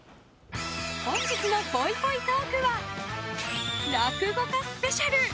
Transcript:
本日のぽいぽいトークは落語家ＳＰ。